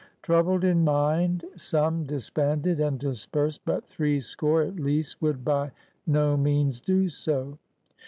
Troubled in mind, some disbanded and dispersed, but threescore at least would by no means do so.